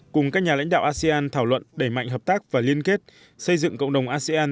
cùng các nhà lãnh đạo asean thảo luận đẩy mạnh hợp tác và liên kết xây dựng cộng đồng asean